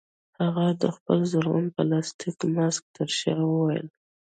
هغه د خپل زرغون پلاستيکي ماسک ترشا وویل